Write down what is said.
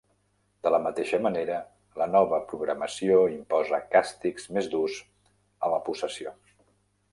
De la mateixa manera, la nova programació imposa càstigs més durs a la possessió.